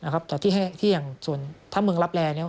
แต่ที่แห้งถ้าเมืองรับแรง